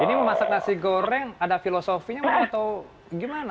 ini memasak nasi goreng ada filosofinya atau gimana